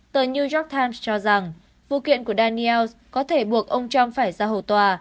tờ new york times cho rằng vụ kiện của daniels có thể buộc ông trump phải ra hầu tòa